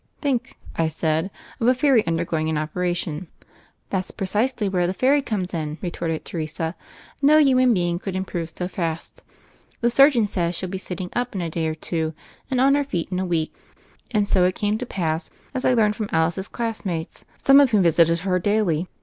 "Think," I said, "of a fairy undergoing an operation." "That's precisely where the fairy comes in," retorted Teresa. "No human being could im prove so fast. The surgeon says she'll be sit ting up in a day or two, and on her feet in a week." And so it came to pass, as I learned from Alice's classmates, some of whom visited her daily.